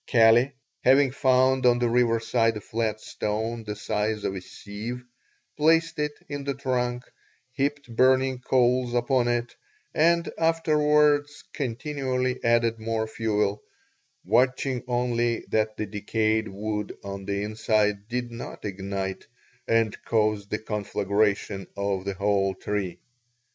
Kali, having found on the river side a flat stone the size of a sieve, placed it in the trunk, heaped burning coals upon it, and afterwards continually added more fuel, watching only that the decayed wood on the inside did not ignite and cause the conflagration of the whole tree.